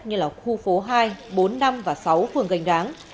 như là khu phố hai bốn năm và sáu phường gành đáng